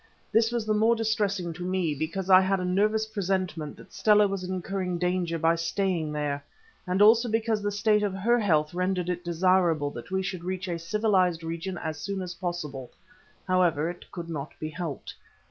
This was the more distressing to me because I had a nervous presentiment that Stella was incurring danger by staying there, and also because the state of her health rendered it desirable that we should reach a civilized region as soon as possible. However, it could not be helped.